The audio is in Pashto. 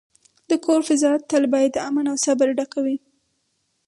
د کور فضا باید تل د امن او صبر ډکه وي.